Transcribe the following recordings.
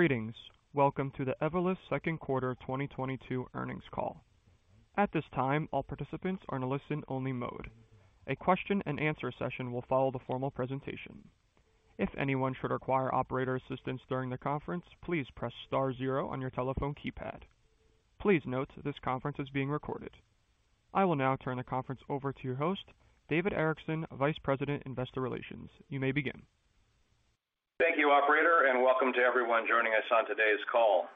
Greetings. Welcome to the Evolus second quarter 2022 earnings call. At this time, all participants are in a listen only mode. A question-and-answer session will follow the formal presentation. If anyone should require operator assistance during the conference, please press star zero on your telephone keypad. Please note that this conference is being recorded. I will now turn the conference over to your host, David Erickson, Vice President, Investor Relations. You may begin. Thank you, operator, and welcome to everyone joining us on today's call.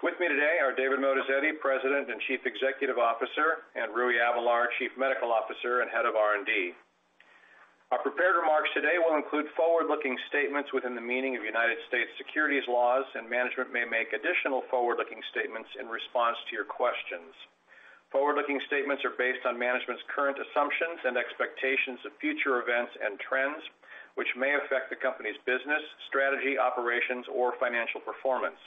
With me today are David Moatazedi, President and Chief Executive Officer, and Rui Avelar, Chief Medical Officer and Head of R&D. Our prepared remarks today will include forward-looking statements within the meaning of United States securities laws, and management may make additional forward-looking statements in response to your questions. Forward-looking statements are based on management's current assumptions and expectations of future events and trends, which may affect the company's business, strategy, operations, or financial performance.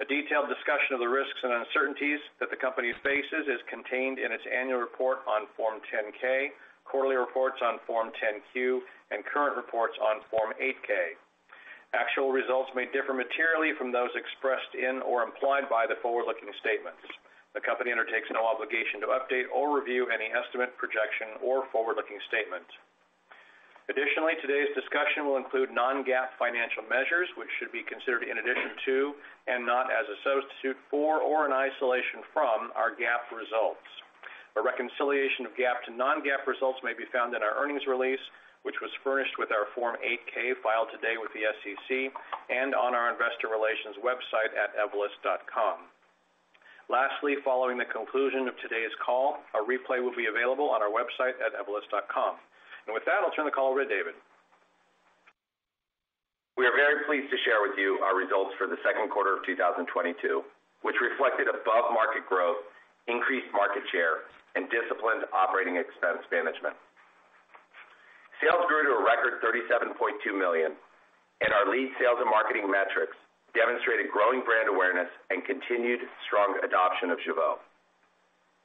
A detailed discussion of the risks and uncertainties that the company faces is contained in its annual report on Form 10-K, quarterly reports on Form 10-Q, and current reports on Form 8-K. Actual results may differ materially from those expressed in or implied by the forward-looking statements. The company undertakes no obligation to update or review any estimate, projection, or forward-looking statement. Additionally, today's discussion will include non-GAAP financial measures, which should be considered in addition to and not as a substitute for or an isolation from our GAAP results. A reconciliation of GAAP to non-GAAP results may be found in our earnings release, which was furnished with our Form 8-K filed today with the SEC and on our investor relations website at evolus.com. Lastly, following the conclusion of today's call, a replay will be available on our website at evolus.com. With that, I'll turn the call over to David. We are very pleased to share with you our results for the second quarter of 2022, which reflected above-market growth, increased market share, and disciplined operating expense management. Sales grew to a record $37.2 million, and our lead sales and marketing metrics demonstrated growing brand awareness and continued strong adoption of Jeuveau.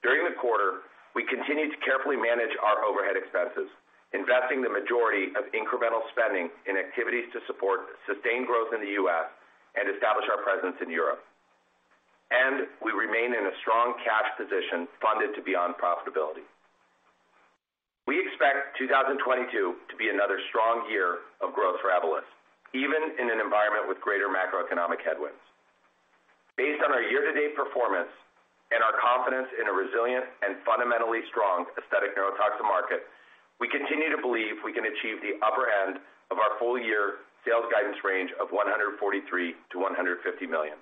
During the quarter, we continued to carefully manage our overhead expenses, investing the majority of incremental spending in activities to support sustained growth in the U.S. and establish our presence in Europe. We remain in a strong cash position funded to beyond profitability. We expect 2022 to be another strong year of growth for Evolus, even in an environment with greater macroeconomic headwinds. Based on our year-to-date performance and our confidence in a resilient and fundamentally strong aesthetic neurotoxin market, we continue to believe we can achieve the upper end of our full year sales guidance range of $143 million-$150 million.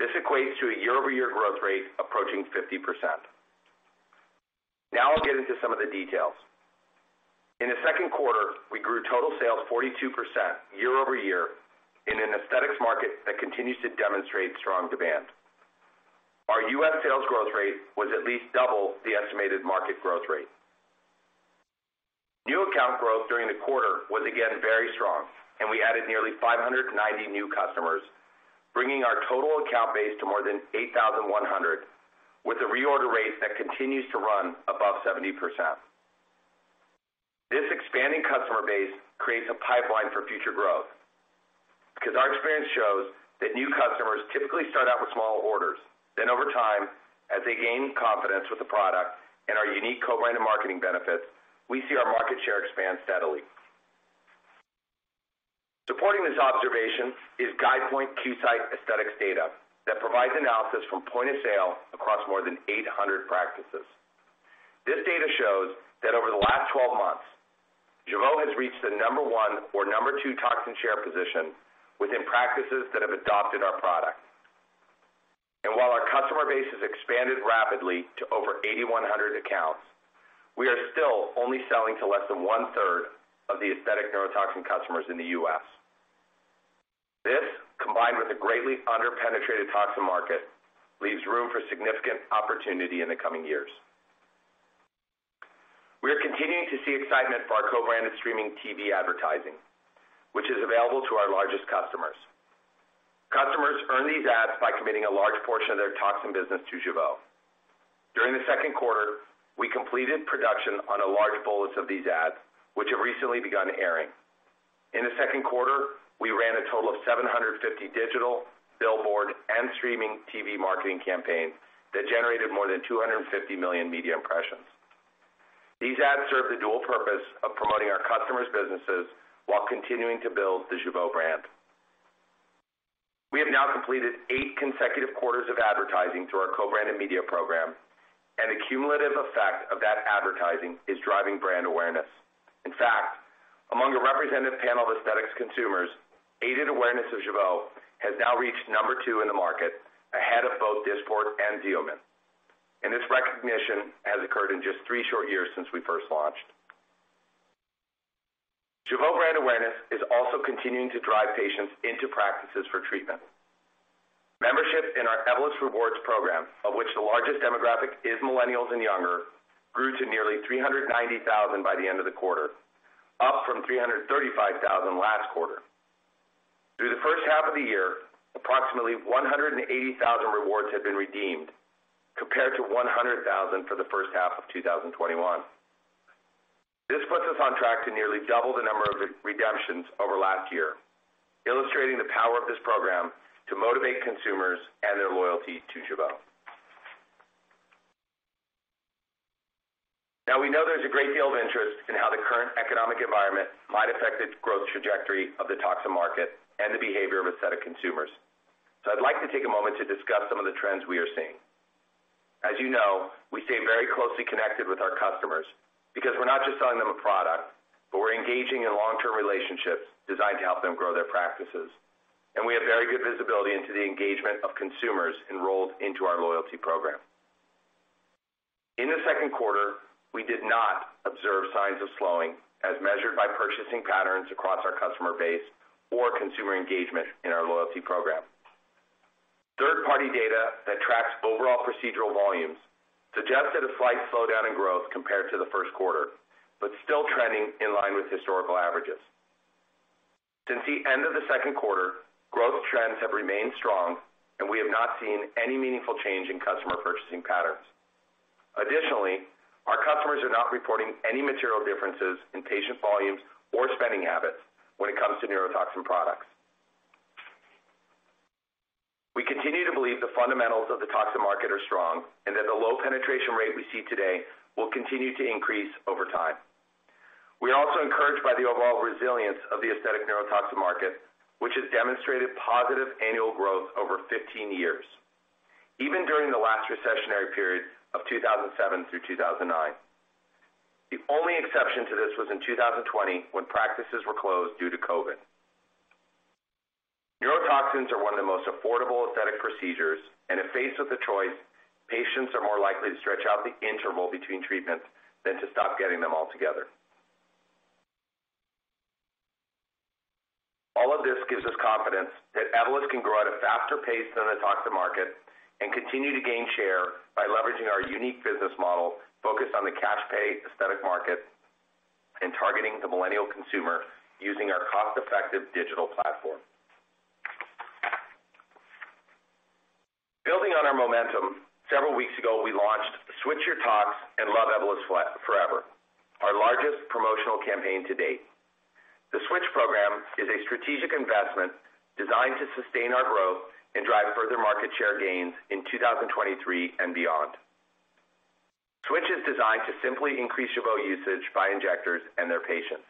This equates to a year-over-year growth rate approaching 50%. Now I'll get into some of the details. In the second quarter, we grew total sales 42% year-over-year in an aesthetics market that continues to demonstrate strong demand. Our U.S. sales growth rate was at least double the estimated market growth rate. New account growth during the quarter was again very strong, and we added nearly 590 new customers, bringing our total account base to more than 8,100, with a reorder rate that continues to run above 70%. This expanding customer base creates a pipeline for future growth because our experience shows that new customers typically start out with small orders. Over time, as they gain confidence with the product and our unique co-branded marketing benefits, we see our market share expand steadily. Supporting this observation is Guidepoint Qsight Aesthetics data that provides analysis from point of sale across more than 800 practices. This data shows that over the last 12 months, Jeuveau has reached the number one or number two toxin share position within practices that have adopted our product. While our customer base has expanded rapidly to over 8,100 accounts, we are still only selling to less than 1/3 of the aesthetic neurotoxin customers in the U.S. This, combined with a greatly under-penetrated toxin market, leaves room for significant opportunity in the coming years. We are continuing to see excitement for our co-branded streaming TV advertising, which is available to our largest customers. Customers earn these ads by committing a large portion of their toxin business to Jeuveau. During the second quarter, we completed production on a large bolus of these ads, which have recently begun airing. In the second quarter, we ran a total of 750 digital, billboard, and streaming TV marketing campaigns that generated more than 250 million media impressions. These ads serve the dual purpose of promoting our customers' businesses while continuing to build the Jeuveau brand. We have now completed eight consecutive quarters of advertising through our co-branded media program, and the cumulative effect of that advertising is driving brand awareness. In fact, among a representative panel of aesthetics consumers, aided awareness of Jeuveau has now reached number two in the market, ahead of both Dysport and Xeomin. This recognition has occurred in just three short years since we first launched. Jeuveau brand awareness is also continuing to drive patients into practices for treatment. Membership in our Evolus Rewards program, of which the largest demographic is millennials and younger, grew to nearly 390,000 by the end of the quarter, up from 335,000 last quarter. Through the first half of the year, approximately 180,000 rewards have been redeemed, compared to 100,000 for the first half of 2021. This puts us on track to nearly double the number of redemptions over last year, illustrating the power of this program to motivate consumers and their loyalty to Jeuveau. Now, we know there's a great deal of interest in how the current economic environment might affect its growth trajectory of the toxin market and the behavior of aesthetic consumers. I'd like to take a moment to discuss some of the trends we are seeing. As you know, we stay very closely connected with our customers because we're not just selling them a product, but we're engaging in long-term relationships designed to help them grow their practices. We have very good visibility into the engagement of consumers enrolled into our loyalty program. In the second quarter, we did not observe signs of slowing as measured by purchasing patterns across our customer base or consumer engagement in our loyalty program. Third-party data that tracks overall procedural volumes suggests that a slight slowdown in growth compared to the first quarter, but still trending in line with historical averages. Since the end of the second quarter, growth trends have remained strong, and we have not seen any meaningful change in customer purchasing patterns. Additionally, our customers are not reporting any material differences in patient volumes or spending habits when it comes to neurotoxin products. We continue to believe the fundamentals of the toxin market are strong, and that the low penetration rate we see today will continue to increase over time. We are also encouraged by the overall resilience of the aesthetic neurotoxin market, which has demonstrated positive annual growth over 15 years, even during the last recessionary period of 2007 through 2009. The only exception to this was in 2020 when practices were closed due to COVID. Neurotoxins are one of the most affordable aesthetic procedures, and if faced with a choice, patients are more likely to stretch out the interval between treatments than to stop getting them altogether. All of this gives us confidence that Evolus can grow at a faster pace than the toxin market and continue to gain share by leveraging our unique business model focused on the cash pay aesthetic market and targeting the millennial consumer using our cost-effective digital platform. Building on our momentum, several weeks ago, we launched Switch Your Tox and Love Evolus Forever, our largest promotional campaign to date. The Switch program is a strategic investment designed to sustain our growth and drive further market share gains in 2023 and beyond. Switch is designed to simply increase Jeuveau usage by injectors and their patients.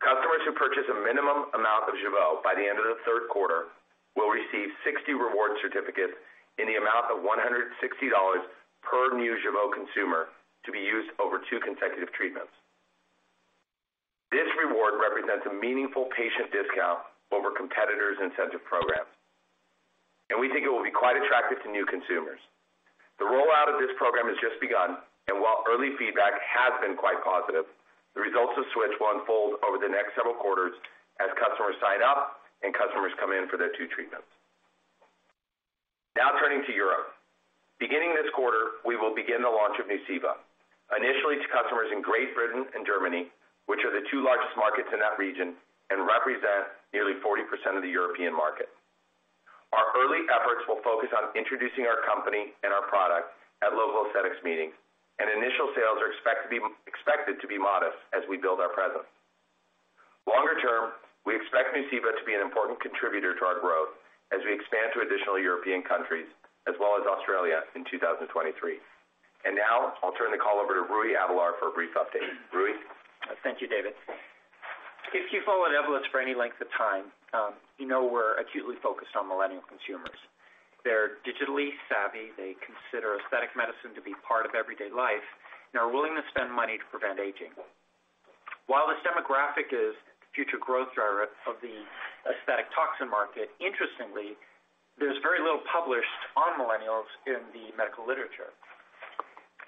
Customers who purchase a minimum amount of Jeuveau by the end of the third quarter will receive 60 reward certificates in the amount of $160 per new Jeuveau consumer to be used over two consecutive treatments. This reward represents a meaningful patient discount over competitors' incentive programs, and we think it will be quite attractive to new consumers. The rollout of this program has just begun, and while early feedback has been quite positive, the results of Switch will unfold over the next several quarters as customers sign up and customers come in for their two treatments. Now turning to Europe. Beginning this quarter, we will begin the launch of Nuceiva, initially to customers in Great Britain and Germany, which are the two largest markets in that region and represent nearly 40% of the European market. Our early efforts will focus on introducing our company and our product at local aesthetics meetings, and initial sales are expected to be modest as we build our presence. Longer term, we expect Nuceiva to be an important contributor to our growth as we expand to additional European countries as well as Australia in 2023. Now I'll turn the call over to Rui Avelar for a brief update. Rui? Thank you, David. If you've followed Evolus for any length of time, you know we're acutely focused on millennial consumers. They're digitally savvy, they consider aesthetic medicine to be part of everyday life, and are willing to spend money to prevent aging. While this demographic is the future growth driver of the aesthetic toxin market, interestingly, there's very little published on millennials in the medical literature.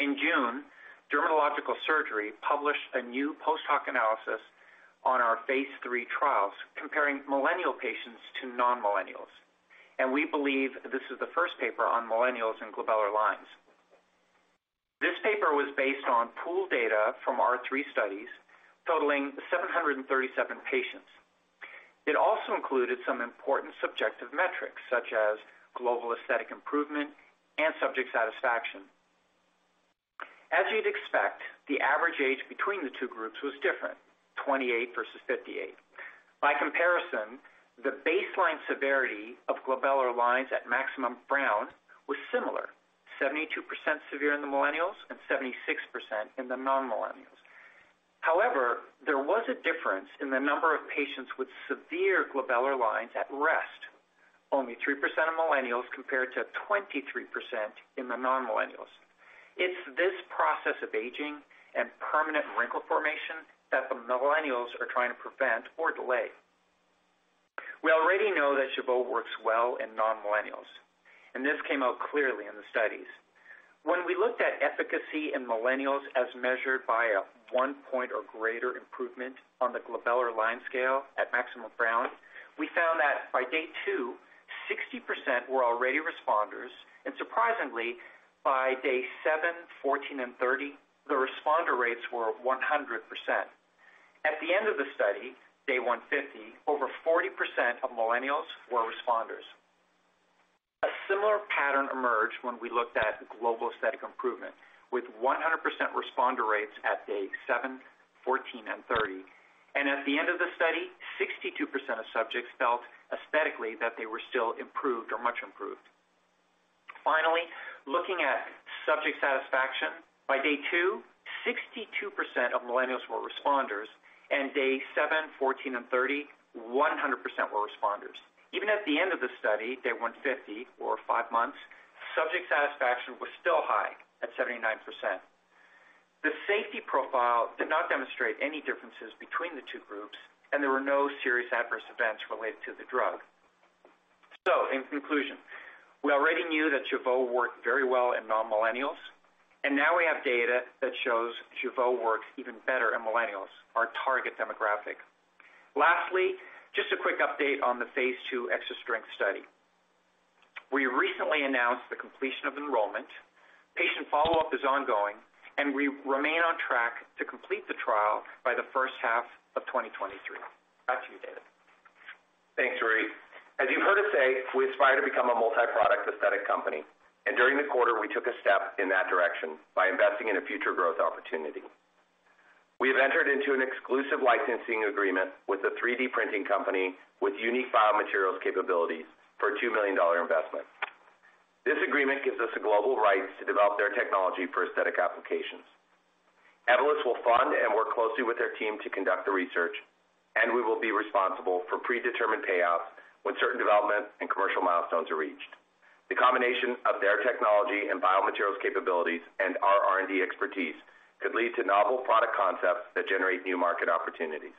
In June, Dermatologic Surgery published a new post-hoc analysis on our phase III trials comparing millennial patients to non-millennials, and we believe this is the first paper on millennials in glabellar lines. This paper was based on pooled data from our three studies, totaling 737 patients. It also included some important subjective metrics such as global aesthetic improvement and subject satisfaction. As you'd expect, the average age between the two groups was different, 28 versus 58. By comparison, the baseline severity of glabellar lines at maximum frown was similar, 72% severe in the millennials and 76% in the non-millennials. However, there was a difference in the number of patients with severe glabellar lines at rest. Only 3% of millennials compared to 23% in the non-millennials. It's this process of aging and permanent wrinkle formation that the millennials are trying to prevent or delay. We already know that Jeuveau works well in non-millennials, and this came out clearly in the studies. When we looked at efficacy in millennials as measured by a 1-point or greater improvement on the Glabellar Line Scale at maximum frown, we found that by day two, 60% were already responders, and surprisingly, by day seven, 14, and 30, the responder rates were 100%. At the end of the study, day 150, over 40% of millennials were responders. Similar pattern emerged when we looked at Global Aesthetic Improvement with 100% responder rates at day seven, 14, and 30. At the end of the study, 62% of subjects felt aesthetically that they were still improved or much improved. Finally, looking at subject satisfaction, by day two, 62% of millennials were responders, and day seven, 14, and 30, 100% were responders. Even at the end of the study, day 150 or five months, subject satisfaction was still high at 79%. The safety profile did not demonstrate any differences between the two groups, and there were no serious adverse events related to the drug. In conclusion, we already knew that Jeuveau worked very well in non-millennials, and now we have data that shows Jeuveau works even better in millennials, our target demographic. Lastly, just a quick update on the phase II extra-strength study. We recently announced the completion of enrollment. Patient follow-up is ongoing, and we remain on track to complete the trial by the first half of 2023. Back to you, David. Thanks, Rui. As you heard us say, we aspire to become a multi-product aesthetic company, and during the quarter, we took a step in that direction by investing in a future growth opportunity. We have entered into an exclusive licensing agreement with a 3D printing company with unique biomaterials capabilities for a $2 million investment. This agreement gives us the global rights to develop their technology for aesthetic applications. Evolus will fund and work closely with their team to conduct the research, and we will be responsible for predetermined payouts when certain development and commercial milestones are reached. The combination of their technology and biomaterials capabilities and our R&D expertise could lead to novel product concepts that generate new market opportunities.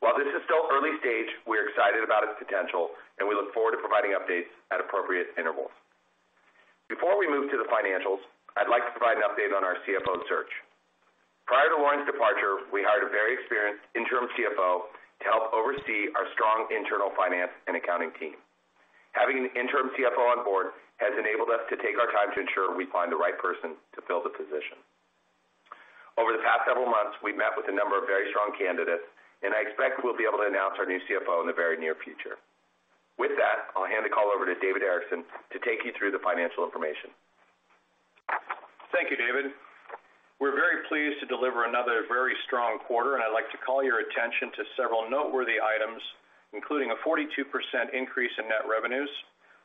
While this is still early stage, we're excited about its potential, and we look forward to providing updates at appropriate intervals. Before we move to the financials, I'd like to provide an update on our CFO search. Prior to Lauren's departure, we hired a very experienced interim CFO to help oversee our strong internal finance and accounting team. Having an interim CFO on board has enabled us to take our time to ensure we find the right person to fill the position. Over the past several months, we've met with a number of very strong candidates, and I expect we'll be able to announce our new CFO in the very near future. With that, I'll hand the call over to David Erickson to take you through the financial information. Thank you, David. We're very pleased to deliver another very strong quarter, and I'd like to call your attention to several noteworthy items, including a 42% increase in net revenues,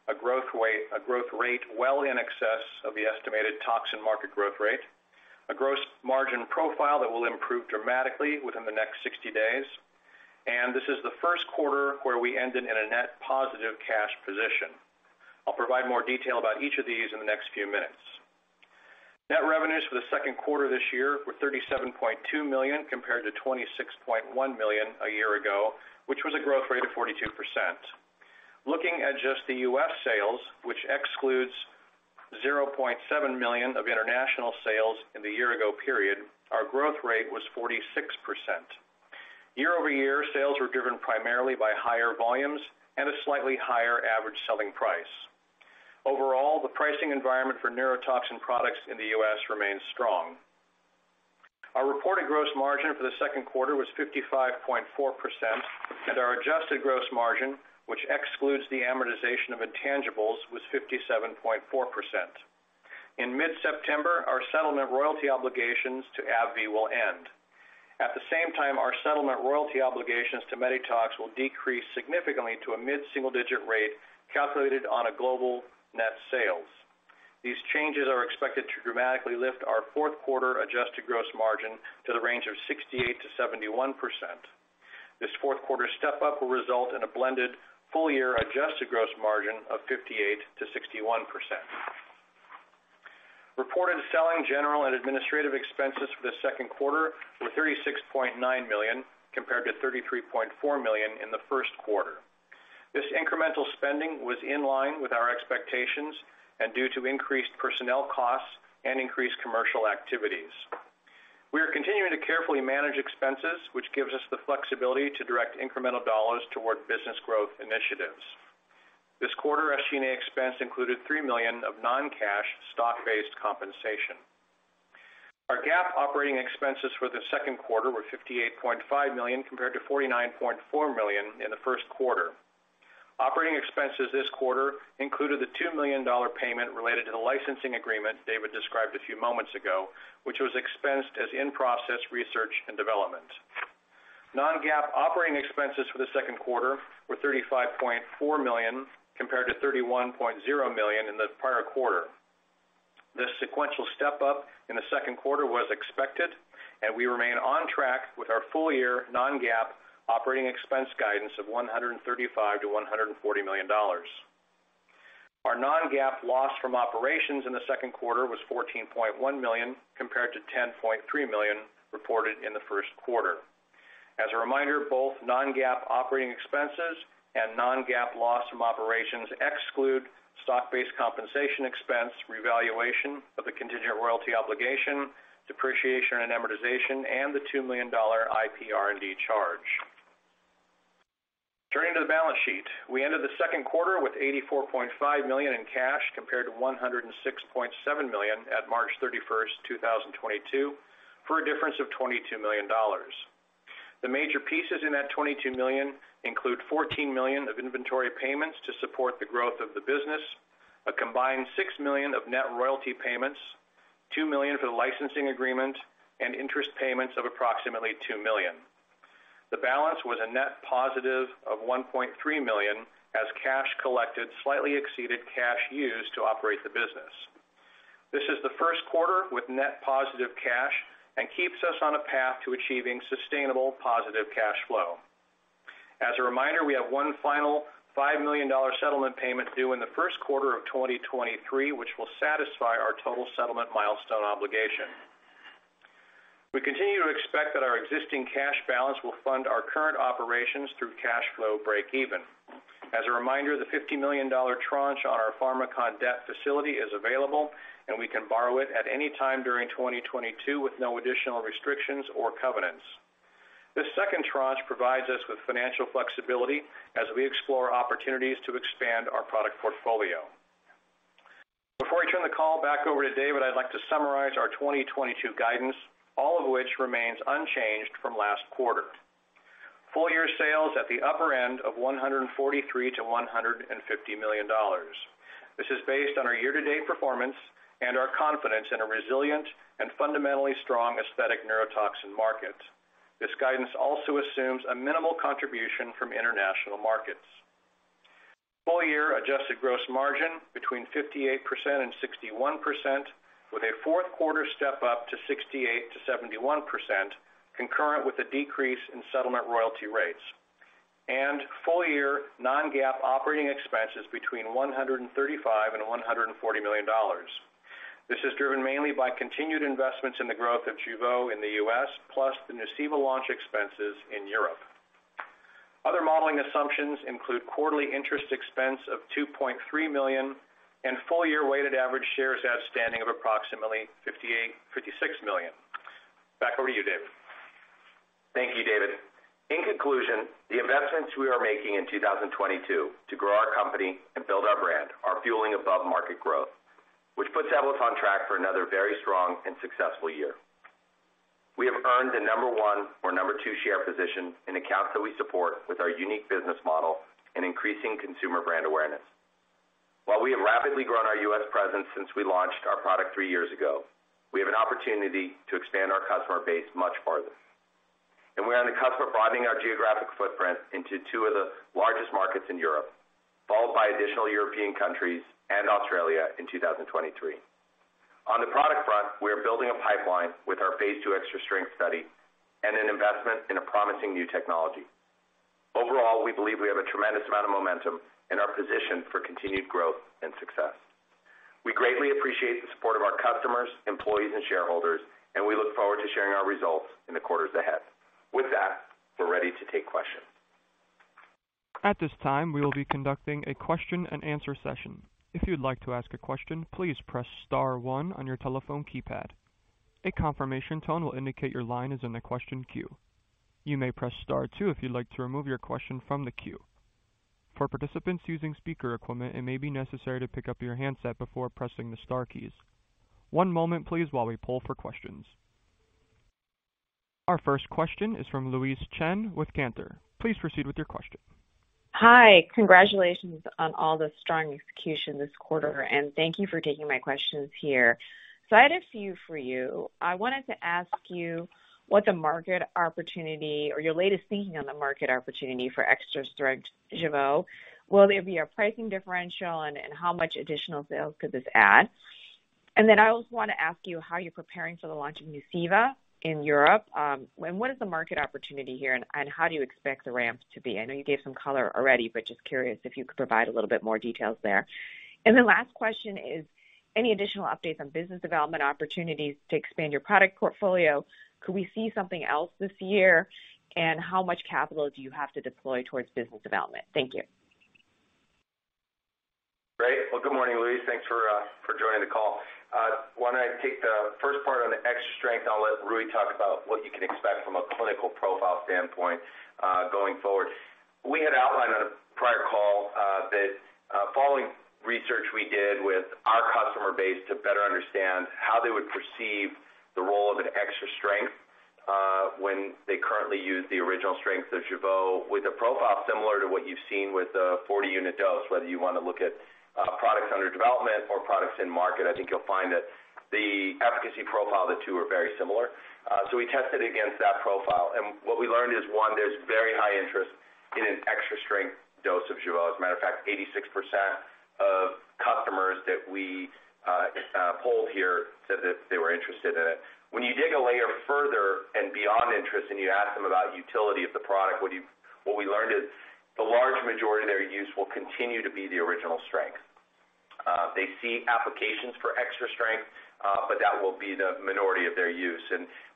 a growth rate well in excess of the estimated toxin market growth rate, a gross margin profile that will improve dramatically within the next 60 days, and this is the first quarter where we ended in a net positive cash position. I'll provide more detail about each of these in the next few minutes. Net revenues for the second quarter this year were $37.2 million compared to $26.1 million a year ago, which was a growth rate of 42%. Looking at just the U.S. sales, which excludes $0.7 million of international sales in the year ago period, our growth rate was 46%. Year-over-year, sales were driven primarily by higher volumes and a slightly higher average selling price. Overall, the pricing environment for neurotoxin products in the U.S. remains strong. Our reported gross margin for the second quarter was 55.4%, and our adjusted gross margin, which excludes the amortization of intangibles, was 57.4%. In mid-September, our settlement royalty obligations to AbbVie will end. At the same time, our settlement royalty obligations to Medytox will decrease significantly to a mid-single-digit rate calculated on a global net sales. These changes are expected to dramatically lift our fourth quarter adjusted gross margin to the range of 68%-71%. This fourth quarter step-up will result in a blended full-year adjusted gross margin of 58%-61%. Reported selling, general, and administrative expenses for the second quarter were $36.9 million compared to $33.4 million in the first quarter. This incremental spending was in line with our expectations and due to increased personnel costs and increased commercial activities. We are continuing to carefully manage expenses, which gives us the flexibility to direct incremental dollars toward business growth initiatives. This quarter, SG&A expense included $3 million of non-cash stock-based compensation. Our GAAP operating expenses for the second quarter were $58.5 million compared to $49.4 million in the first quarter. Operating expenses this quarter included the $2 million payment related to the licensing agreement David described a few moments ago, which was expensed as in-process research and development. Non-GAAP operating expenses for the second quarter were $35.4 million compared to $31 million in the prior quarter. This sequential step-up in the second quarter was expected, and we remain on track with our full-year non-GAAP operating expense guidance of $135 million-$140 million. Our non-GAAP loss from operations in the second quarter was $14.1 million compared to $10.3 million reported in the first quarter. As a reminder, both non-GAAP operating expenses and non-GAAP loss from operations exclude stock-based compensation expense, revaluation of the contingent royalty obligation, depreciation and amortization, and the $2 million IPR&D charge. Turning to the balance sheet, we ended the second quarter with $84.5 million in cash compared to $106.7 million at March 31st, 2022, for a difference of $22 million. The major pieces in that $22 million include $14 million of inventory payments to support the growth of the business, a combined $6 million of net royalty payments, $2 million for the licensing agreement and interest payments of approximately $2 million. The balance was a net positive of $1.3 million as cash collected slightly exceeded cash used to operate the business. This is the first quarter with net positive cash and keeps us on a path to achieving sustainable positive cash flow. As a reminder, we have one final $5 million settlement payment due in the first quarter of 2023, which will satisfy our total settlement milestone obligation. We continue to expect that our existing cash balance will fund our current operations through cash flow breakeven. As a reminder, the $50 million tranche on our Pharmakon debt facility is available, and we can borrow it at any time during 2022 with no additional restrictions or covenants. This second tranche provides us with financial flexibility as we explore opportunities to expand our product portfolio. Before I turn the call back over to David, I'd like to summarize our 2022 guidance, all of which remains unchanged from last quarter. Full year sales at the upper end of $143 million-$150 million. This is based on our year-to-date performance and our confidence in a resilient and fundamentally strong aesthetic neurotoxin market. This guidance also assumes a minimal contribution from international markets. Full year adjusted gross margin between 58% and 61%, with a fourth quarter step up to 68%-71% concurrent with a decrease in settlement royalty rates. Full year non-GAAP operating expenses between $135 million and $140 million. This is driven mainly by continued investments in the growth of Jeuveau in the U.S., plus the Nuceiva launch expenses in Europe. Other modeling assumptions include quarterly interest expense of $2.3 million and full year weighted average shares outstanding of approximately 56 million. Back over to you, David. Thank you, David. In conclusion, the investments we are making in 2022 to grow our company and build our brand are fueling above market growth, which puts Evolus on track for another very strong and successful year. We have earned the number one or number two share position in accounts that we support with our unique business model and increasing consumer brand awareness. While we have rapidly grown our U.S. presence since we launched our product three years ago, we have an opportunity to expand our customer base much farther. We're on the cusp of broadening our geographic footprint into two of the largest markets in Europe, followed by additional European countries and Australia in 2023. On the product front, we are building a pipeline with our phase II extra-strength study and an investment in a promising new technology. Overall, we believe we have a tremendous amount of momentum and are positioned for continued growth and success. We greatly appreciate the support of our customers, employees and shareholders, and we look forward to sharing our results in the quarters ahead. With that, we're ready to take questions. At this time, we will be conducting a question-and-answer session. If you'd like to ask a question, please press star one on your telephone keypad. A confirmation tone will indicate your line is in the question queue. You may press star two if you'd like to remove your question from the queue. For participants using speaker equipment, it may be necessary to pick up your handset before pressing the star keys. One moment please while we poll for questions. Our first question is from Louise Chen with Cantor. Please proceed with your question. Hi. Congratulations on all the strong execution this quarter, and thank you for taking my questions here. I had a few for you. I wanted to ask you what the market opportunity or your latest thinking on the market opportunity for extra-strength Jeuveau? Will there be a pricing differential, and how much additional sales could this add? I also want to ask you how you're preparing for the launch of Nuceiva in Europe, and what is the market opportunity here, and how do you expect the ramp to be? I know you gave some color already, but just curious if you could provide a little bit more details there? Last question is any additional updates on business development opportunities to expand your product portfolio? Could we see something else this year? How much capital do you have to deploy towards business development? Thank you. Great. Well, good morning, Louise. Thanks for joining the call. Why don't I take the first part on the extra strength, and I'll let Rui talk about what you can expect from a clinical profile standpoint going forward. We had outlined on a prior call that following research we did with our customer base to better understand how they would perceive the role of an extra strength when they currently use the original strength of Jeuveau with a profile similar to what you've seen with the 40-unit dose. Whether you want to look at products under development or products in market, I think you'll find that the efficacy profile of the two are very similar. We tested against that profile. What we learned is, one, there's very high interest in an extra strength dose of Jeuveau. As a matter of fact, 86% of customers that we polled here said that they were interested in it. When you dig a layer further and beyond interest, and you ask them about utility of the product, what we learned is the large majority of their use will continue to be the original strength. They see applications for extra strength, but that will be the minority of their use.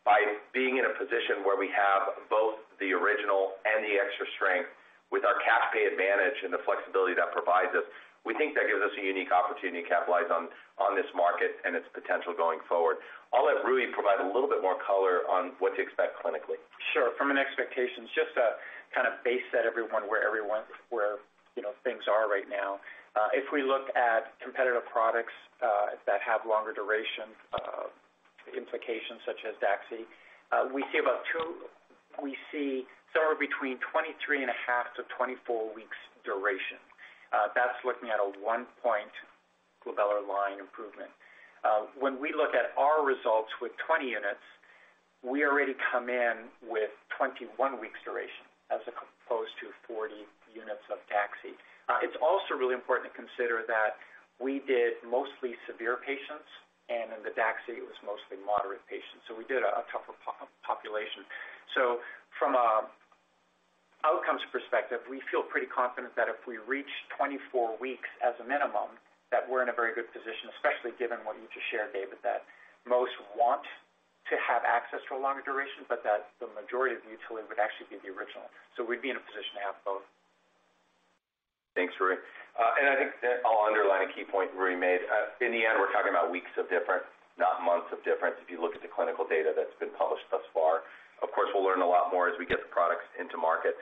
By being in a position where we have both the original and the extra strength with our cash pay advantage and the flexibility that provides us, we think that gives us a unique opportunity to capitalize on this market and its potential going forward. I'll let Rui provide a little bit more color on what to expect clinically. Sure. From expectations, just to kind of baseline where, you know, things are right now. If we look at competitive products that have longer durations, Implications such as DAXXIFY. We see somewhere between 23.5-24 weeks duration. That's looking at a 1-point glabellar line improvement. When we look at our results with 20 units, we already come in with 21 weeks duration as opposed to 40 units of DAXXIFY. It's also really important to consider that we did mostly severe patients, and in the DAXXIFY it was mostly moderate patients, so we did a tougher population. From a outcomes perspective, we feel pretty confident that if we reach 24 weeks as a minimum, that we're in a very good position, especially given what you just shared, David, that most want to have access to a longer duration, but that the majority would actually be the original. We'd be in a position to have both. Thanks, Rui. I think that I'll underline a key point Rui made. In the end, we're talking about weeks of difference, not months of difference, if you look at the clinical data that's been published thus far. Of course, we'll learn a lot more as we get the products into market.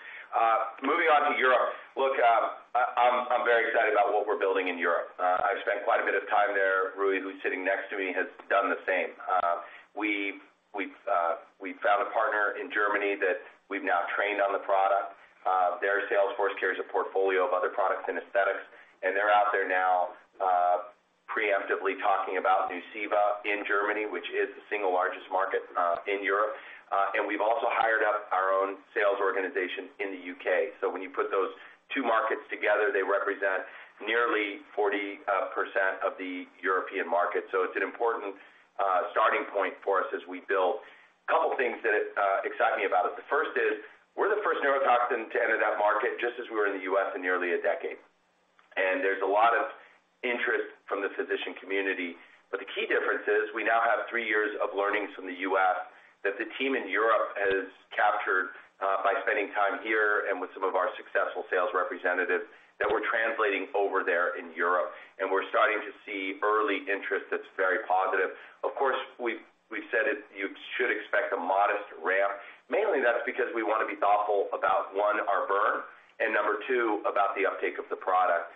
Moving on to Europe. Look, I'm very excited about what we're building in Europe. I've spent quite a bit of time there. Rui, who's sitting next to me, has done the same. We've found a partner in Germany that we've now trained on the product. Their sales force carries a portfolio of other products in aesthetics, and they're out there now, preemptively talking about Nuceiva in Germany, which is the single largest market in Europe. We've also hired up our own sales organization in the U.K. When you put those two markets together, they represent nearly 40% of the European market. It's an important starting point for us as we build. Couple things that excite me about it. The first is we're the first neurotoxin to enter that market just as we were in the U.S. in nearly a decade. There's a lot of interest from the physician community. The key difference is we now have three years of learnings from the U.S. that the team in Europe has captured by spending time here and with some of our successful sales representatives that we're translating over there in Europe, and we're starting to see early interest that's very positive. Of course, we've said it, you should expect a modest ramp. Mainly that's because we wanna be thoughtful about, one, our burn, and number two, about the uptake of the product.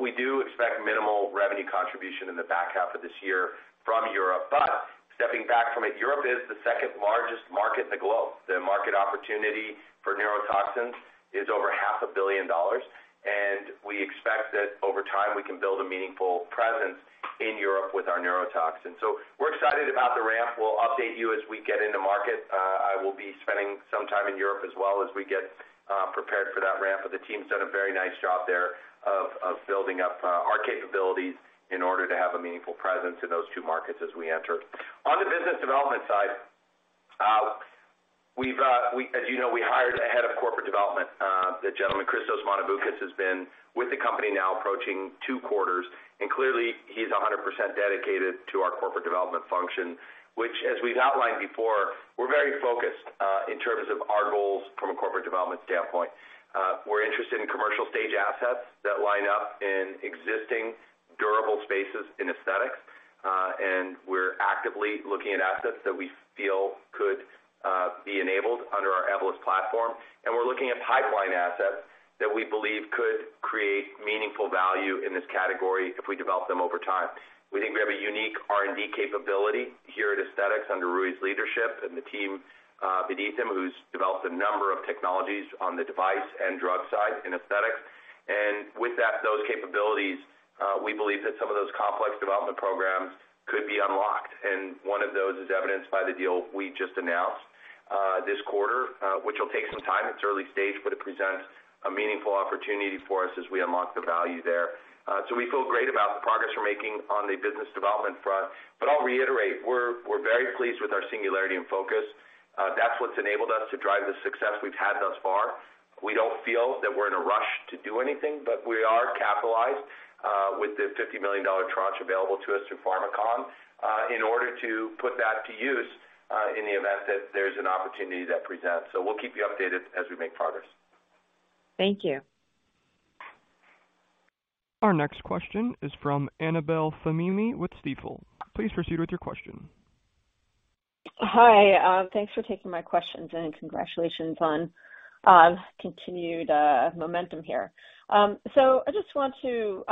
We do expect minimal revenue contribution in the back half of this year from Europe. Stepping back from it, Europe is the second largest market in the globe. The market opportunity for neurotoxins is over half a billion dollars, and we expect that over time, we can build a meaningful presence in Europe with our neurotoxin. We're excited about the ramp. We'll update you as we get into market. I will be spending some time in Europe as well as we get prepared for that ramp. The team's done a very nice job there of building up our capabilities in order to have a meaningful presence in those two markets as we enter. On the business development side, as you know, we've hired a head of corporate development. The gentleman, Christos Monovoukas, has been with the company now approaching two quarters, and clearly, he's 100% dedicated to our corporate development function, which, as we've outlined before, we're very focused in terms of our goals from a corporate development standpoint. We're interested in commercial stage assets that line up in existing durable spaces in aesthetics. We're actively looking at assets that we feel could be enabled under our Evolus platform. We're looking at pipeline assets that we believe could create meaningful value in this category if we develop them over time. We think we have a unique R&D capability here at Aesthetics under Rui's leadership and the team, beneath him, who's developed a number of technologies on the device and drug side in aesthetics. With that, those capabilities, we believe that some of those complex development programs could be unlocked, and one of those is evidenced by the deal we just announced, this quarter, which will take some time. It's early stage, but it presents a meaningful opportunity for us as we unlock the value there. We feel great about the progress we're making on the business development front. I'll reiterate, we're very pleased with our singularity and focus. That's what's enabled us to drive the success we've had thus far. We don't feel that we're in a rush to do anything, but we are capitalized with the $50 million tranche available to us through Pharmakon in order to put that to use in the event that there's an opportunity that presents. We'll keep you updated as we make progress. Thank you. Our next question is from Annabel Samimy with Stifel. Please proceed with your question. Hi. Thanks for taking my questions, and congratulations on continued momentum here. I just want to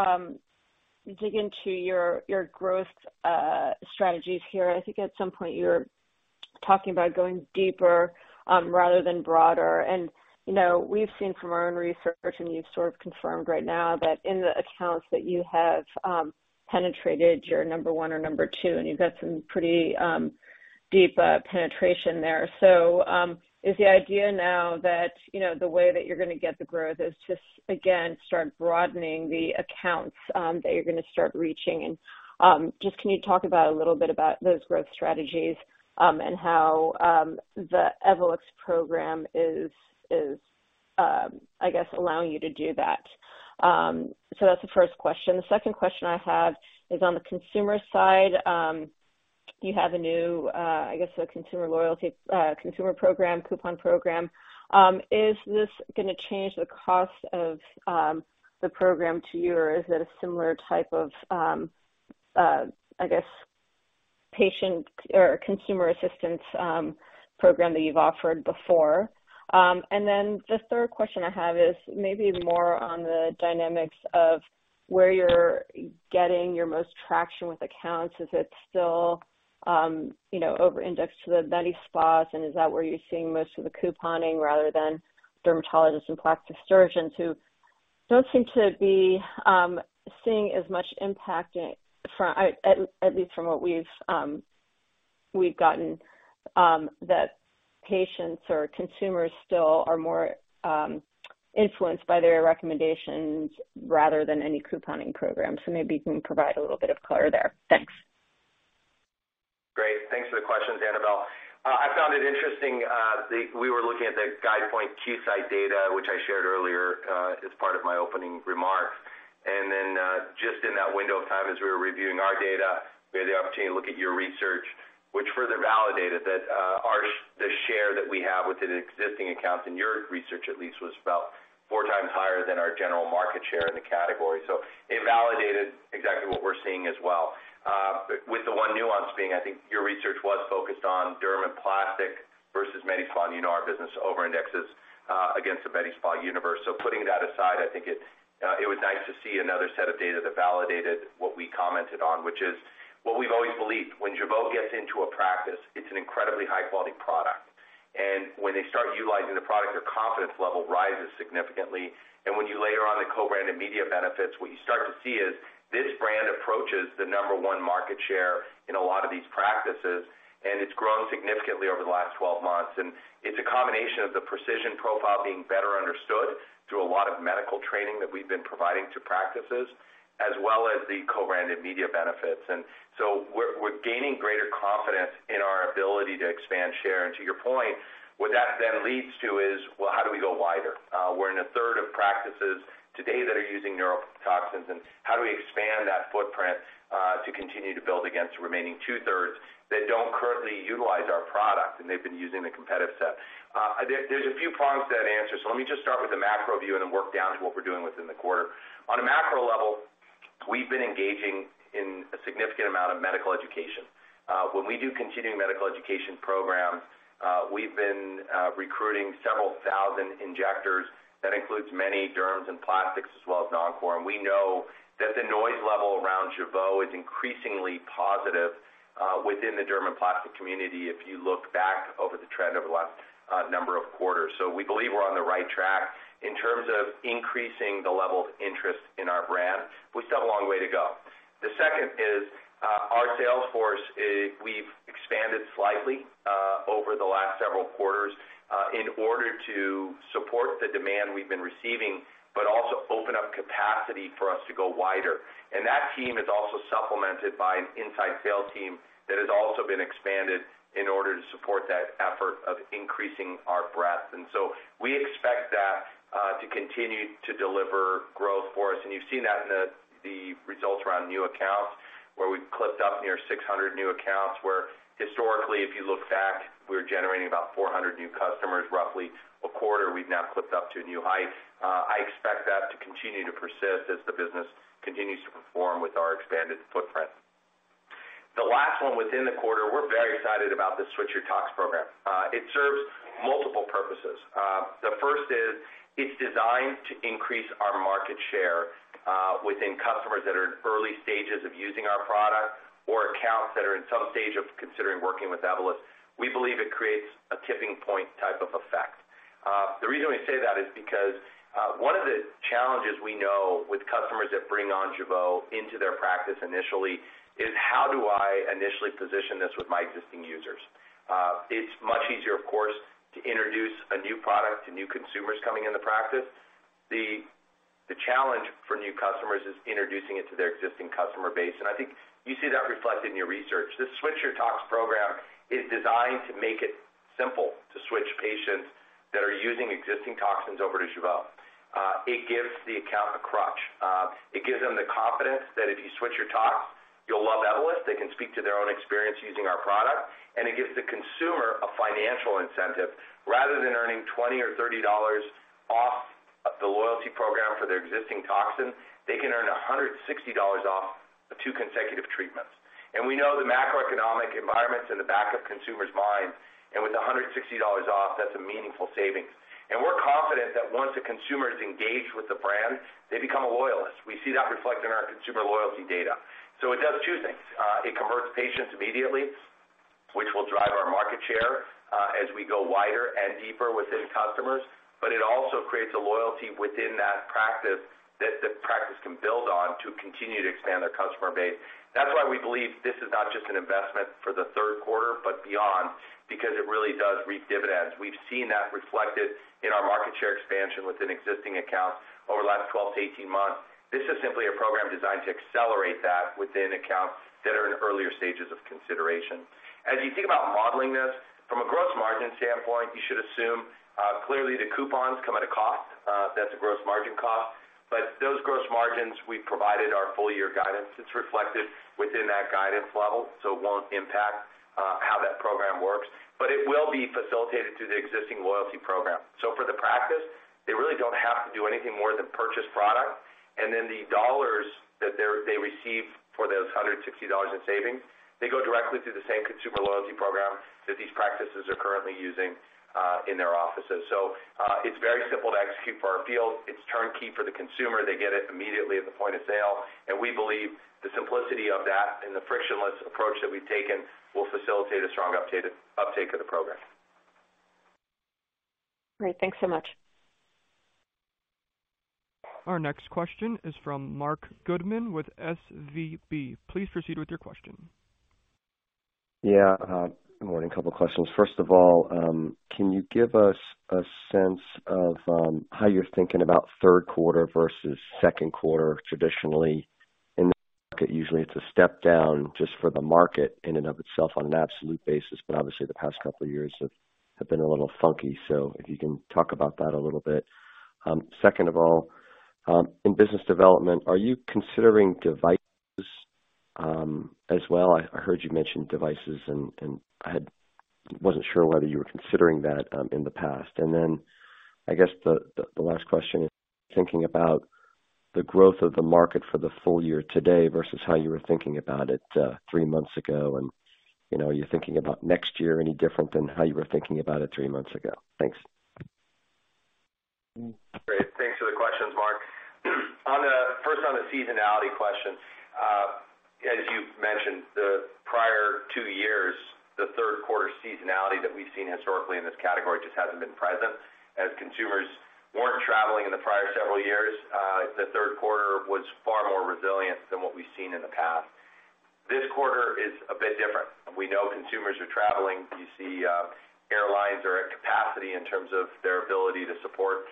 dig into your growth strategies here. I think at some point you were talking about going deeper rather than broader. You know, we've seen from our own research, and you've sort of confirmed right now that in the accounts that you have penetrated, you're number one or number two, and you've got some pretty deep penetration there. Is the idea now that, you know, the way that you're gonna get the growth is just again, start broadening the accounts that you're gonna start reaching? Just can you talk about a little bit about those growth strategies, and how the Evolus program is, I guess allowing you to do that? That's the first question. The second question I have is on the consumer side. You have a new, I guess a consumer loyalty, consumer program, coupon program. Is this gonna change the cost of the program to you, or is it a similar type of, I guess patient or consumer assistance, program that you've offered before? The third question I have is maybe more on the dynamics of where you're getting your most traction with accounts. Is it still, you know, over-indexed to the med spas, and is that where you're seeing most of the couponing rather than dermatologists and plastic surgeons who don't seem to be seeing as much impact at least from what we've gotten that patients or consumers still are more influenced by their recommendations rather than any couponing program? Maybe you can provide a little bit of color there? Thanks. Great. Thanks for the questions, Annabel. I found it interesting, we were looking at the Guidepoint Qsight data, which I shared earlier, as part of my opening remarks. Then, just in that window of time as we were reviewing our data, we had the opportunity to look at your research, which further validated that, our share that we have within existing accounts in your research at least was about four times higher than our general market share in the category. It validated exactly what we're seeing as well. With the one nuance being, I think your research was focused on derm and plastic versus medi spa. You know our business over-indexes against the medi spa universe. Putting that aside, I think it was nice to see another set of data that validated what we commented on, which is what we've always believed. When Jeuveau gets into a practice, it's an incredibly high-quality product. When they start utilizing the product, their confidence level rises significantly. When you layer on the co-branded media benefits, what you start to see is this brand approaches the number one market share in a lot of these practices, and it's grown significantly over the last 12 months. It's a combination of the precision profile being better understood through a lot of medical training that we've been providing to practices, as well as the co-branded media benefits. We're gaining greater confidence in our ability to expand share. To your point, what that then leads to is, well, how do we go wider? We're in a third of practices today that are using neurotoxins, and how do we expand that footprint, to continue to build against the remaining two-thirds that don't currently utilize our product, and they've been using the competitive set. There's a few prongs to that answer, so let me just start with the macro view and then work down to what we're doing within the quarter. On a macro level, we've been engaging in a significant amount of medical education. When we do continuing medical education programs, we've been recruiting several thousand injectors. That includes many derms and plastics as well as non-core. We know that the noise level around Jeuveau is increasingly positive within the derm and plastic community if you look back over the trend over the last number of quarters. We believe we're on the right track in terms of increasing the level of interest in our brand. We still have a long way to go. The second is our sales force. We've expanded slightly over the last several quarters in order to support the demand we've been receiving, but also open up capacity for us to go wider. That team is also supplemented by an inside sales team that has also been expanded in order to support that effort of increasing our breadth. We expect that to continue to deliver growth for us. You've seen that in the results around new accounts, where we've clipped up near 600 new accounts, where historically, if you look back, we were generating about 400 new customers roughly a quarter. We've now clipped up to new heights. I expect that to continue to persist as the business continues to perform with our expanded footprint. The last one within the quarter, we're very excited about the Switch Your Tox program. It serves multiple purposes. The first is it's designed to increase our market share, within customers that are in early stages of using our product or accounts that are in some stage of considering working with Evolus. We believe it creates a tipping point type of effect. The reason we say that is because, one of the challenges we know with customers that bring on Jeuveau into their practice initially is, how do I initially position this with my existing users? It's much easier, of course, to introduce a new product to new consumers coming in the practice. The challenge for new customers is introducing it to their existing customer base, and I think you see that reflected in your research. The Switch Your Tox program is designed to make it simple to switch patients that are using existing toxins over to Jeuveau. It gives the account a crutch. It gives them the confidence that if you switch your tox, you'll love Evolus. They can speak to their own experience using our product. It gives the consumer a financial incentive. Rather than earning $20 or $30 off of the loyalty program for their existing toxin, they can earn $160 off of two consecutive treatments. We know the macroeconomic environment's in the back of consumers' minds, and with $160 off, that's a meaningful savings. We're confident that once a consumer is engaged with the brand, they become a loyalist. We see that reflected in our consumer loyalty data. It does two things. It converts patients immediately, which will drive our market share, as we go wider and deeper within customers, but it also creates a loyalty within that practice that the practice can build on to continue to expand their customer base. That's why we believe this is not just an investment for the third quarter, but beyond, because it really does reap dividends. We've seen that reflected in our market share expansion within existing accounts over the last 12-18 months. This is simply a program designed to accelerate that within accounts that are in earlier stages of consideration. As you think about modeling this from a gross margin standpoint, you should assume clearly the coupons come at a cost, that's a gross margin cost. Those gross margins, we provided our full year guidance. It's reflected within that guidance level, it won't impact how that program works. It will be facilitated through the existing loyalty program. For the practice, they really don't have to do anything more than purchase product. Then the dollars that they receive for those $160 in savings, they go directly to the same consumer loyalty program that these practices are currently using in their offices. It's very simple to execute for our field. It's turnkey for the consumer. They get it immediately at the point of sale. We believe the simplicity of that and the frictionless approach that we've taken will facilitate a strong uptake of the program. Great. Thanks so much. Our next question is from Marc Goodman with SVB. Please proceed with your question. Yeah. Morning. A couple questions. First of all, can you give us a sense of how you're thinking about third quarter versus second quarter traditionally? Usually it's a step down just for the market in and of itself on an absolute basis, but obviously the past couple of years have been a little funky. If you can talk about that a little bit? Second of all, in business development, are you considering devices as well? I heard you mention devices and I wasn't sure whether you were considering that in the past? Then, I guess the last question is thinking about the growth of the market for the full year today versus how you were thinking about it three months ago. You know, are you thinking about next year any different than how you were thinking about it three months ago? Thanks. Great. Thanks for the questions, Marc. First, on the seasonality question. As you mentioned, the prior two years, the third quarter seasonality that we've seen historically in this category just hasn't been present. As consumers weren't traveling in the prior several years, the third quarter was far more resilient than what we've seen in the past. This quarter is a bit different. We know consumers are traveling. You see, airlines are at capacity in terms of their ability to support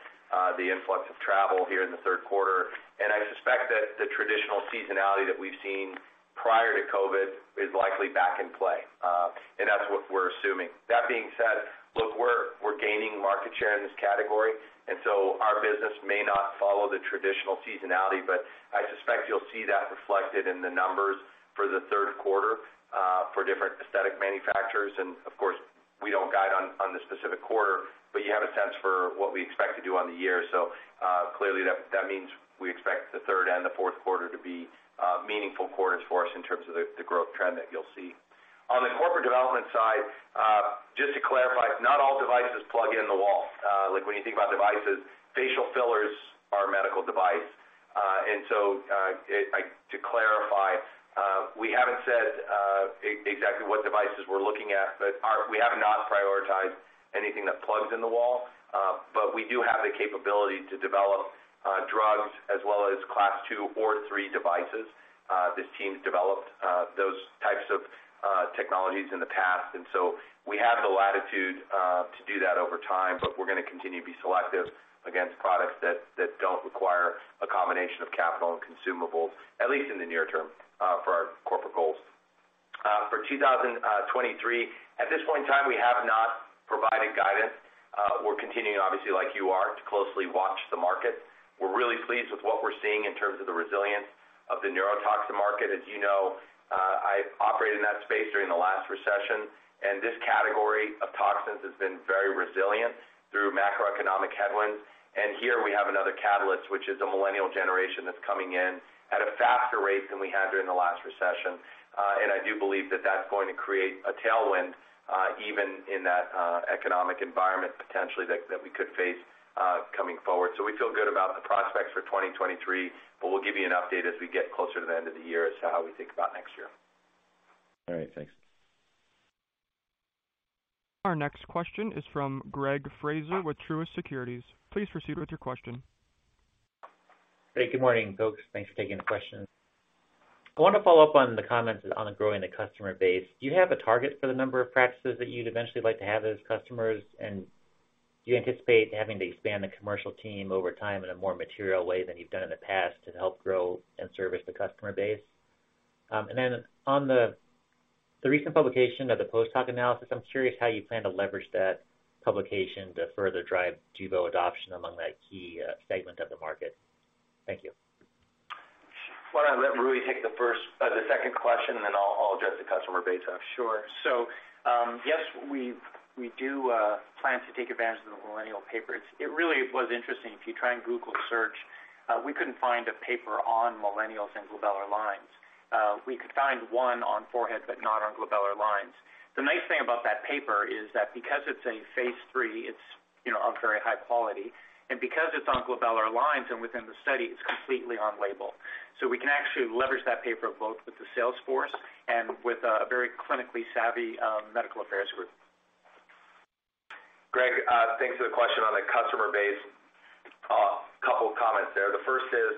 the influx of travel here in the third quarter. I suspect that the traditional seasonality that we've seen prior to COVID is likely back in play. That's what we're assuming. That being said, look, we're gaining market share in this category, and so our business may not follow the traditional seasonality, but I suspect you'll see that reflected in the numbers for the third quarter for different aesthetic manufacturers. Of course, we don't guide on the specific quarter, but you have a sense for what we expect to do on the year. Clearly that means we expect the third and the fourth quarter to be meaningful quarters for us in terms of the growth trend that you'll see. On the corporate development side, just to clarify, not all devices plug in the wall. Like when you think about devices, facial fillers are a medical device. To clarify, we haven't said exactly what devices we're looking at, but we have not prioritized anything that plugs in the wall. We do have the capability to develop drugs as well as Class II or III devices. This team's developed those types of technologies in the past, and so we have the latitude to do that over time, but we're gonna continue to be selective against products that don't require a combination of capital and consumables, at least in the near term, for our corporate goals. For 2023, at this point in time, we have not provided guidance. We're continuing, obviously, like you are, to closely watch the market. We're really pleased with what we're seeing in terms of the resilience of the neurotoxin market. As you know, I operated in that space during the last recession, and this category of toxins has been very resilient through macroeconomic headwinds. Here we have another catalyst, which is the millennial generation that's coming in at a faster rate than we had during the last recession. I do believe that that's going to create a tailwind, even in that economic environment potentially that we could face coming forward. We feel good about the prospects for 2023, but we'll give you an update as we get closer to the end of the year as to how we think about next year. All right. Thanks. Our next question is from Greg Fraser with Truist Securities. Please proceed with your question. Hey, good morning, folks. Thanks for taking the question. I want to follow-up on the comments on growing the customer base. Do you have a target for the number of practices that you'd eventually like to have as customers, and do you anticipate having to expand the commercial team over time in a more material way than you've done in the past to help grow and service the customer base? On the recent publication of the post-hoc analysis, I'm curious how you plan to leverage that publication to further drive Jeuveau adoption among that key segment of the market. Thank you. Why don't I let Rui take the second question, and then I'll address the customer base. Sure. Yes, we do plan to take advantage of the millennial paper. It really was interesting. If you try and Google search, we couldn't find a paper on millennials and glabellar lines. We could find one on foreheads, but not on glabellar lines. The nice thing about that paper is that because it's a phase III, it's, you know, of very high quality. And because it's on glabellar lines and within the study, it's completely on label. We can actually leverage that paper both with the sales force and with a very clinically savvy medical affairs group. Greg, thanks for the question on the customer base. Couple of comments there. The first is,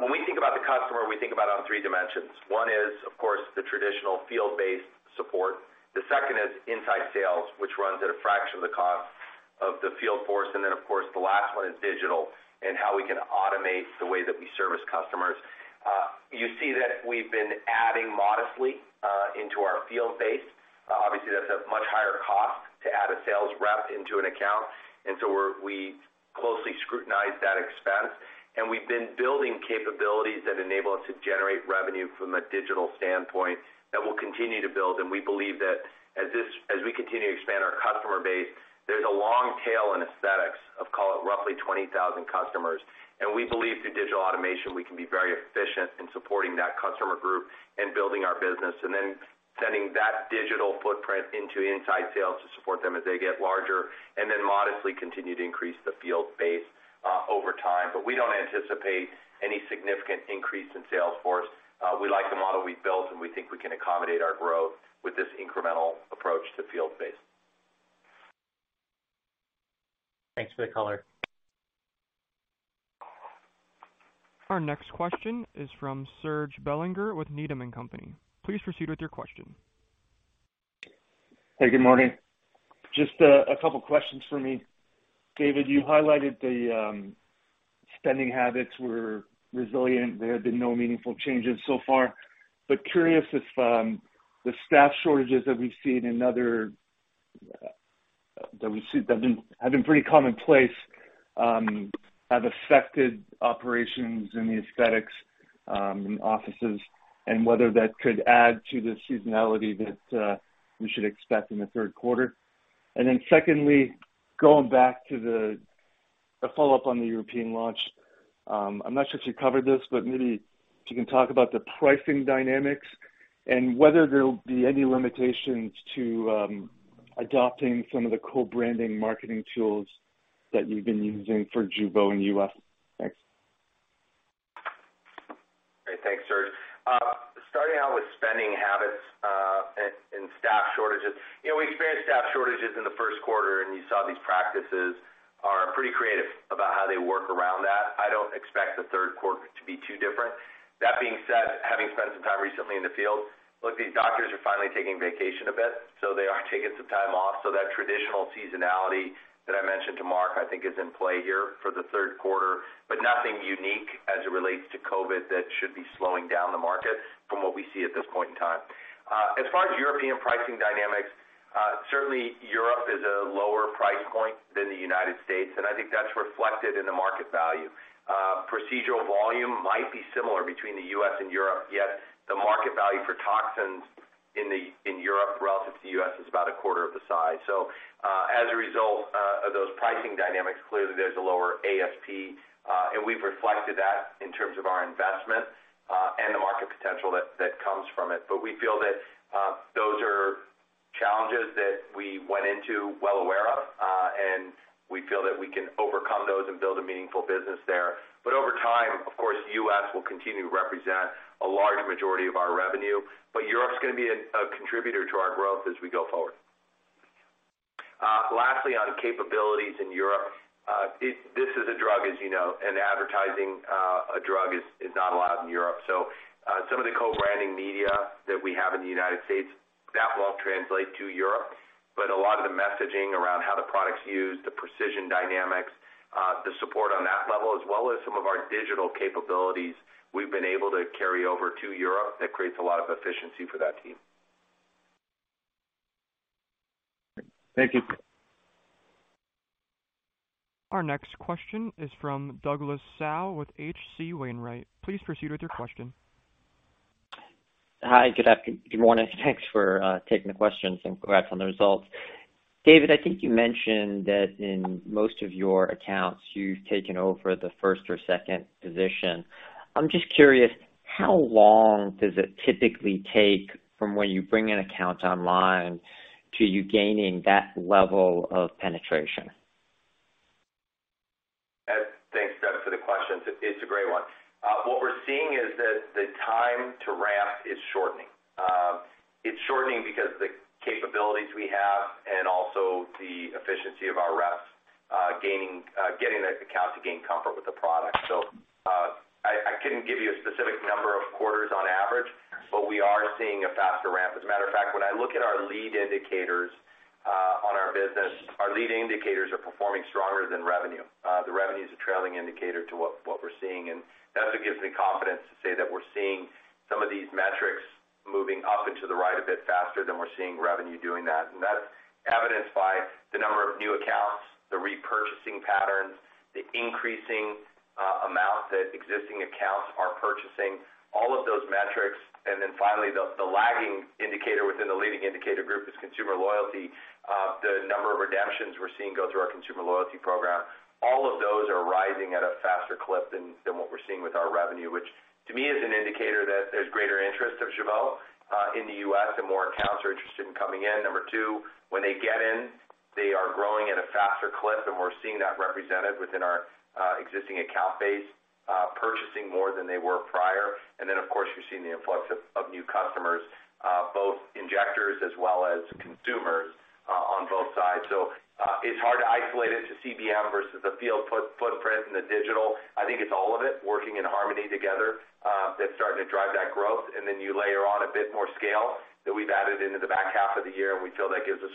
when we think about the customer, we think about on three dimensions. One is, of course, the traditional field-based support. The second is inside sales, which runs at a fraction of the cost of the field force. Then, of course, the last one is digital and how we can automate the way that we service customers. You see that we've been adding modestly into our field base. Obviously, that's a much higher cost. A sales rep into an account. We closely scrutinize that expense, and we've been building capabilities that enable us to generate revenue from a digital standpoint that will continue to build. We believe that as we continue to expand our customer base, there's a long tail in aesthetics of, call it, roughly 20,000 customers. We believe through digital automation, we can be very efficient in supporting that customer group and building our business and then sending that digital footprint into inside sales to support them as they get larger and then modestly continue to increase the field base over time. We don't anticipate any significant increase in sales force. We like the model we've built, and we think we can accommodate our growth with this incremental approach to field base. Thanks for the color. Our next question is from Serge Belanger with Needham & Co. Please proceed with your question. Hey, good morning. Just a couple questions for me. David, you highlighted the spending habits were resilient. There have been no meaningful changes so far. Curious if the staff shortages that we've seen in other that have been pretty commonplace have affected operations in the aesthetics offices and whether that could add to the seasonality that we should expect in the third quarter? Then secondly, going back to the follow-up on the European launch, I'm not sure if you covered this, but maybe if you can talk about the pricing dynamics and whether there'll be any limitations to adopting some of the co-branding marketing tools that you've been using for Jeuveau in the U.S.? Thanks. Great. Thanks, Serge. Starting out with spending habits and staff shortages. You know, we experienced staff shortages in the first quarter, and you saw these practices are pretty creative about how they work around that. I don't expect the third quarter to be too different. That being said, having spent some time recently in the field, look, these doctors are finally taking vacation a bit, so they are taking some time off. That traditional seasonality that I mentioned to Marc, I think is in play here for the third quarter, but nothing unique as it relates to COVID that should be slowing down the market from what we see at this point in time. As far as European pricing dynamics, certainly Europe is a lower price point than the United States, and I think that's reflected in the market value. Procedural volume might be similar between the U.S. and Europe, yet the market value for toxins in Europe relative to U.S. is about a quarter of the size. As a result of those pricing dynamics, clearly there's a lower ASP, and we've reflected that in terms of our investment and the market potential that comes from it. We feel that those are challenges that we went into well aware of, and we feel that we can overcome those and build a meaningful business there. Over time, of course, U.S. will continue to represent a large majority of our revenue, but Europe's gonna be a contributor to our growth as we go forward. Lastly, on capabilities in Europe. This is a drug, as you know, and advertising a drug is not allowed in Europe. Some of the co-branded media that we have in the United States won't translate to Europe. A lot of the messaging around how the product's used, the precision dynamics, the support on that level, as well as some of our digital capabilities we've been able to carry over to Europe. That creates a lot of efficiency for that team. Thank you. Our next question is from Douglas Tsao with H.C. Wainwright. Please proceed with your question. Hi. Good morning. Thanks for taking the questions and congrats on the results. David, I think you mentioned that in most of your accounts, you've taken over the first or second position. I'm just curious, how long does it typically take from when you bring an account online to you gaining that level of penetration? Thanks, Doug, for the question. It's a great one. What we're seeing is that the time to ramp is shortening. It's shortening because the capabilities we have and also the efficiency of our reps getting the account to gain comfort with the product. I couldn't give you a specific number of quarters on average, but we are seeing a faster ramp. As a matter of fact, when I look at our lead indicators on our business, our lead indicators are performing stronger than revenue. The revenue is a trailing indicator to what we're seeing, and that's what gives me confidence to say that we're seeing some of these metrics moving up and to the right a bit faster than we're seeing revenue doing that. That's evidenced by the number of new accounts, the repurchasing patterns, the increasing amount that existing accounts are purchasing, all of those metrics. Then finally, the lagging indicator within the leading indicator group is consumer loyalty. The number of redemptions we're seeing go through our consumer loyalty program, all of those are rising at a faster clip than what we're seeing with our revenue, which to me is an indicator that there's greater interest in Jeuveau in the U.S., and more accounts are interested in coming in. Number two, when they get in, they are growing at a faster clip, and we're seeing that represented within our existing account base purchasing more than they were prior. Then, of course, you're seeing the influx of new customers both injectors as well as consumers on both sides. It's hard to isolate it to CBM versus the field footprint and the digital. I think it's all of it working in harmony together, that's starting to drive that growth. You layer on a bit more scale that we've added into the back half of the year, and we feel that gives us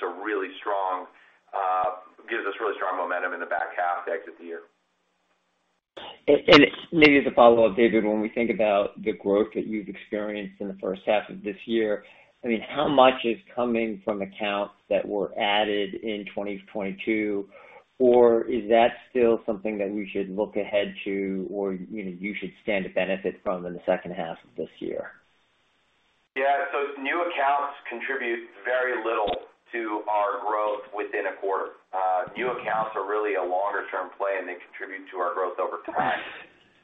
really strong momentum in the back half to exit the year. Maybe as a follow-up, David, when we think about the growth that you've experienced in the first half of this year, I mean, how much is coming from accounts that were added in 2022? Or is that still something that we should look ahead to or, you know, you should stand to benefit from in the second half of this year? Yeah. New accounts contribute very little to our growth within a quarter. New accounts are really a longer term play, and they contribute to our growth over time.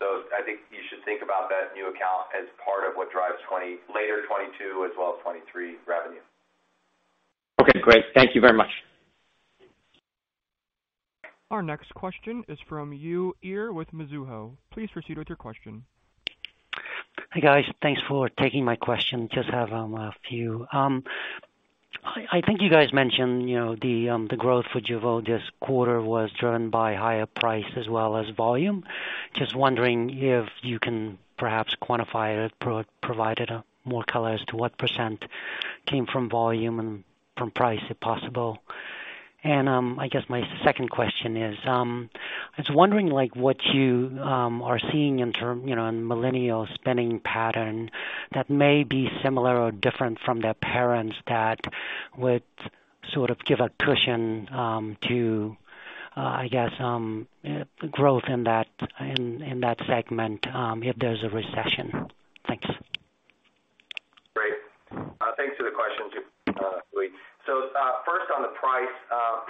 I think you should think about that new account as part of what drives later 2022 as well as 2023 revenue. Okay, great. Thank you very much. Our next question is from Uy Ear with Mizuho. Please proceed with your question. Hi, guys. Thanks for taking my question. Just have a few. I think you guys mentioned, you know, the growth for Jeuveau this quarter was driven by higher price as well as volume. Just wondering if you can perhaps quantify it, provide it more color as to what percent came from volume and from price, if possible? I guess my second question is, I was wondering, like, what you are seeing in terms, you know, in millennial spending pattern that may be similar or different from their parents that would sort of give a cushion to growth in that segment, if there's a recession? Thanks. Great. Thanks for the question, Yu, Uy. First on the price.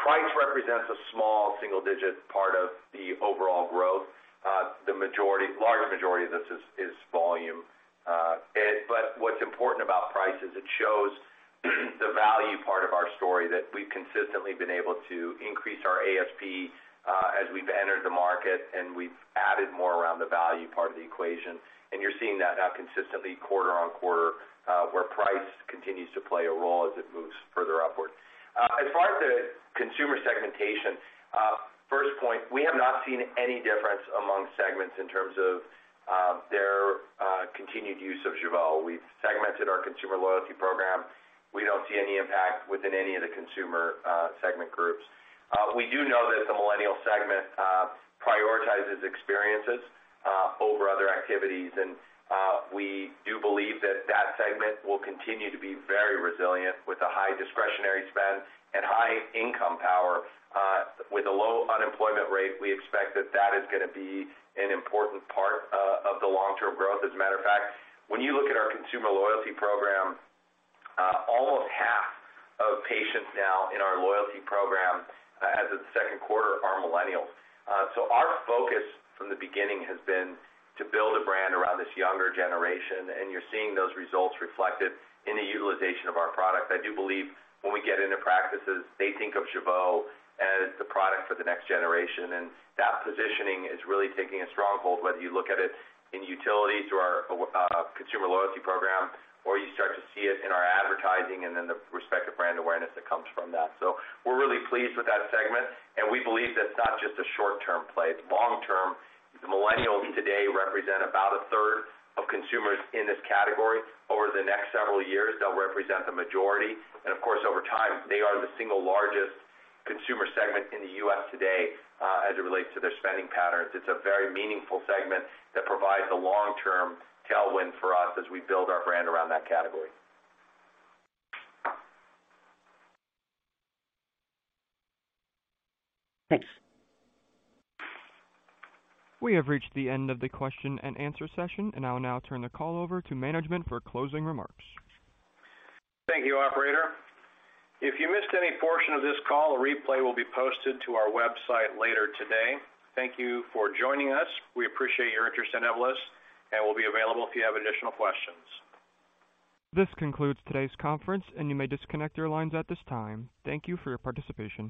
Price represents a small single digit part of the overall growth. The majority, larger majority of this is volume. What's important about price is it shows the value part of our story that we've consistently been able to increase our ASP, as we've entered the market, and we've added more around the value part of the equation. You're seeing that now consistently quarter-on-quarter, where price continues to play a role as it moves further upward. As far as the consumer segmentation, first point, we have not seen any difference among segments in terms of their continued use of Jeuveau. We've segmented our consumer loyalty program. We don't see any impact within any of the consumer segment groups. We do know that the millennial segment prioritizes experiences over other activities. We do believe that that segment will continue to be very resilient with a high discretionary spend and high income power. With a low unemployment rate, we expect that that is gonna be an important part of the long-term growth. As a matter of fact, when you look at our consumer loyalty program, almost half of patients now in our loyalty program, as of the second quarter, are millennials. Our focus from the beginning has been to build a brand around this younger generation, and you're seeing those results reflected in the utilization of our product. I do believe when we get into practices, they think of Jeuveau as the product for the next generation, and that positioning is really taking a stronghold, whether you look at it in utility through our consumer loyalty program, or you start to see it in our advertising and then the respective brand awareness that comes from that. We're really pleased with that segment, and we believe that's not just a short-term play. It's long term. The millennials today represent about a third of consumers in this category. Over the next several years, they'll represent the majority. Of course, over time, they are the single largest consumer segment in the U.S. today, as it relates to their spending patterns. It's a very meaningful segment that provides a long-term tailwind for us as we build our brand around that category. Thanks. We have reached the end of the question-and-answer session, and I'll now turn the call over to management for closing remarks. Thank you, operator. If you missed any portion of this call, a replay will be posted to our website later today. Thank you for joining us. We appreciate your interest in Evolus, and we'll be available if you have additional questions. This concludes today's conference, and you may disconnect your lines at this time. Thank you for your participation.